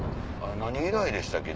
何以来でしたっけ？